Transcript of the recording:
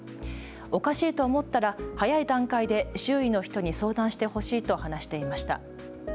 おかしいと思ったら早い段階で周囲の人に相談してほしいと話していました。